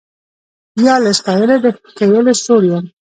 یا له ستایلو د ښکلیو سوړ یم